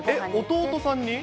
弟さんに？